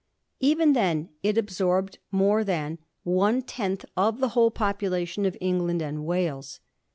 Even then it absorbed more than one tenth of the whole population of England and Wales.